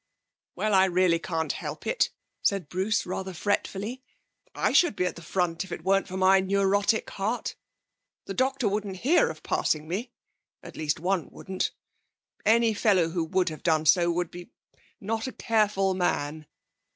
'Well, I really can't help it,' said Bruce rather fretfully. 'I should be at the front if it weren't for my neurotic heart. The doctor wouldn't hear of passing me at least one wouldn't. Any fellow who would have done so would be not a careful man.